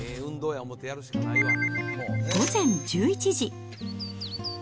午前１１時。